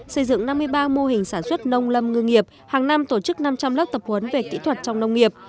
xây dựng năm mươi ba mô hình sản xuất nông lâm ngư nghiệp hàng năm tổ chức năm trăm linh lớp tập huấn về kỹ thuật trong nông nghiệp